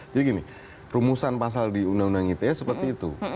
jadi gini rumusan pasal di undang undang ite seperti itu